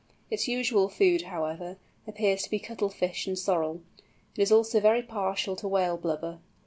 Its usual food, however, appears to be cuttlefish and sorrel. It is also very partial to whale blubber.